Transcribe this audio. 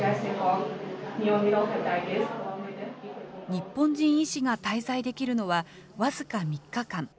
日本人医師が滞在できるのは、僅か３日間。